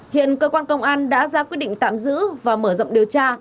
hiện cơ quan công an đã ra quyết định tạm giữ và mở rộng điều tra